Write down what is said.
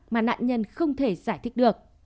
mà nạn nhân không thể giải thích được